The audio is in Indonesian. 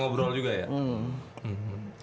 kalau latihan itu kan latihan